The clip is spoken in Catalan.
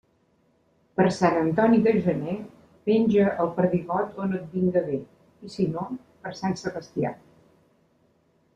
Per Sant Antoni de Gener, penja el perdigot on et vinga bé, i si no, per Sant Sebastià.